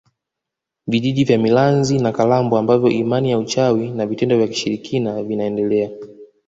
Vijiji vya Milanzi na Kalambo ambavyo imani ya uchawi na vitendo vya kishirikina vinaendelea